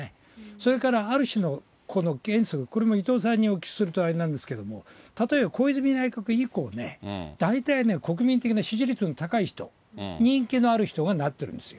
それからある種のこの原則、これも伊藤さんにお聞きするとあれなんですけど、例えば小泉内閣以降ね、大体ね、国民的な支持率の高い人、人気のある人がなってるんですよ。